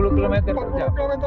kenapa kecepatan nih